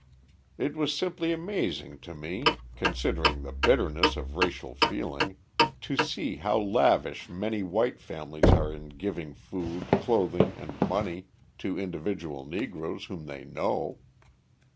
It was simply amazing to me, considering the bitterness of racial feeling, to see how lavish many white families are in giving food, clothing, and money to individual Negroes whom they know.